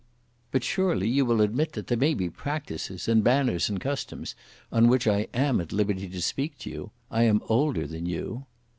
But surely you will admit that there may be practises, and manners, and customs on which I am at liberty to speak to you. I am older than you."